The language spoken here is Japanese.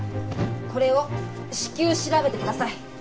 これを至急調べてください。